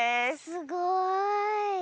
すごい。